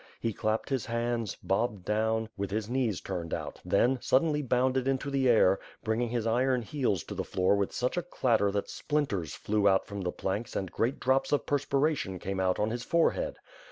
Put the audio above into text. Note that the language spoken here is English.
He clap ped his hands, bobbed down, with his knees turned out, then, suddenly bounded into the air, bringing his iron heels to the floor with such a clatter that splinters flew from the planks and great drops of perspiration came out on his forehead.